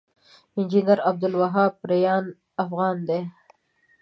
انجنير عبدالوهاب ريان افغان دی